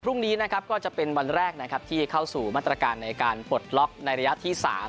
พรุ่งนี้นะครับก็จะเป็นวันแรกนะครับที่เข้าสู่มาตรการในการปลดล็อกในระยะที่๓